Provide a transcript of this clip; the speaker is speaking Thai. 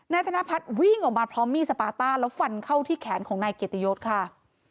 ธนพัฒน์วิ่งออกมาพร้อมมีดสปาต้าแล้วฟันเข้าที่แขนของนายเกียรติยศค่ะ